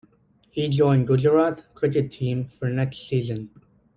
He joined Gujarat cricket team for next season.